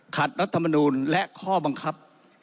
ขัดรัฐมนุนและข้อบังคับ